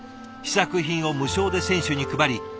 試作品を無償で選手に配り